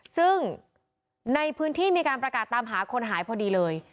ซึ่งในพื้นที่มีการประกาศตามหาคนหายพอดีเลย